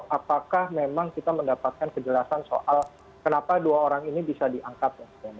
apakah memang kita mendapatkan kejelasan soal kenapa dua orang ini bisa diangkat